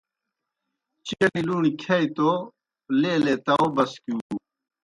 چݨیْ لُوݨیْ کِھیا توْ لیلے تاؤ بسکِیُو۔